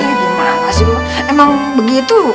eh gimana sih emang begitu